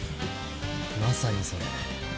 まさにそれ。